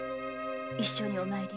一緒にお参りに。